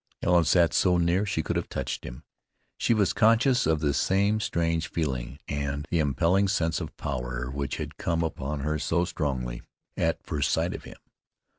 Helen sat so near she could have touched him. She was conscious of the same strange feeling, and impelling sense of power, which had come upon her so strongly at first sight of him.